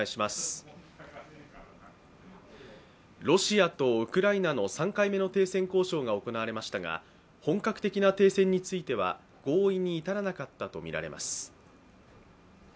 ロシアとウクライナの３回目の停戦交渉が行われましたが本格的な停戦については合意に至らなかったとみられます。